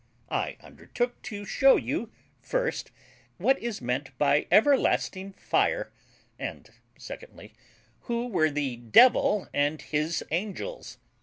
I undertook to shew you, first, what is meant by EVERLASTING FIRE; and, secondly, who were THE DEVIL AND HIS ANGELS.